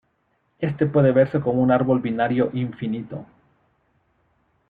Éste puede verse como un árbol binario infinito.